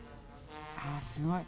あすごい。